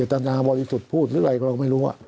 อาจเจตนาบริสุทธิ์พูดเรื่องอะไรก็ไม่รู้